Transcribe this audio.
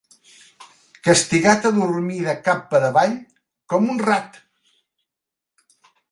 Castigat a dormir de cap per avall com un rat.